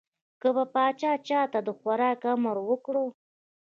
که به پاچا چا ته د خوراک امر وکړ.